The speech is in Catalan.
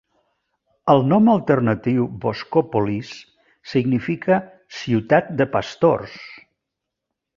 El nom alternatiu "Voskopolis" significa "Ciutat de pastors".